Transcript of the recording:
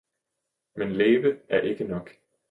men, leve er ikke nok!